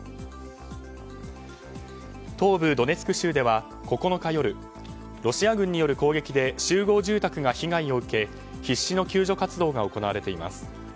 東部ドネツク州では９日夜ロシア軍による攻撃で集合住宅が被害を受け必死の救助活動が行われています。